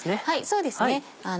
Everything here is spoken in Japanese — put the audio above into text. そうですね。